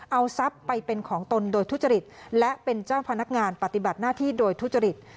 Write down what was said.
เอาทรัพย์ไปเป็นของตนโดยทุจริตและเป็นเจ้าพนักงานปฏิบัติหน้าที่โดยทุจริต